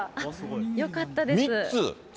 よかったです。